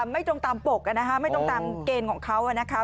ไม่ตรงตามปกไม่ตรงตามเกณฑ์ของเขานะคะ